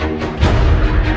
aku mau pergi